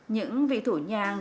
những vị thủ nhàng